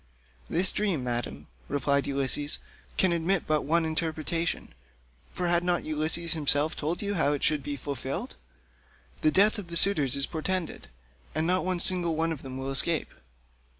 "This dream, Madam," replied Ulysses, "can admit but of one interpretation, for had not Ulysses himself told you how it shall be fulfilled? The death of the suitors is portended, and not one single one of them will escape."